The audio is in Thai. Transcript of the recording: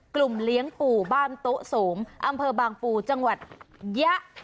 กลุ่มเลี้ยงปูบ้ามตู้สูงอำเภอบางปูจังหวัดยะ